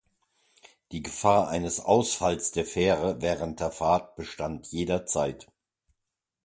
Die Gefahr eines Ausfalls der Fähre während der Fahrt bestand jederzeit.